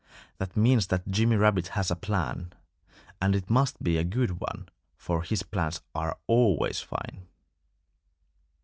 "That means that Jimmy Rabbit has a plan. And it must be a good one; for his plans are always fine."